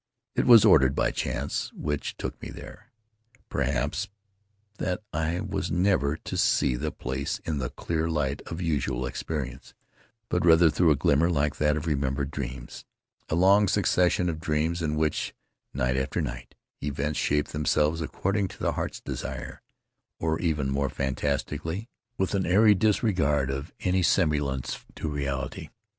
It was ordered — by chance, which took me there, perhaps — that I was never to see the place in the clear light of usual experience, but rather through a glamour like that of remembered dreams — a long succession of dreams in which, night after night, events shape them selves according to the heart's desire, or even more fantastically, with an airy disregard for any semblance to reality.